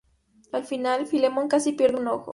Al final, Filemón casi pierde un ojo.